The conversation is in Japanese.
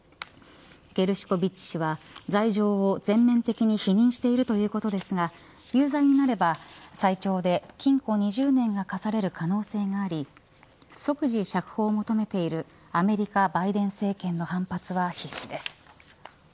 ゲルシコビッチ氏は罪状を全面的に否認しているということですが有罪となれば最長で禁錮２０年が課される可能性があり即時釈放を求めているアメリカバイデン政権の反発は必至です。